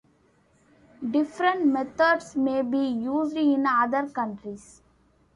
Different methods may be used in other countries.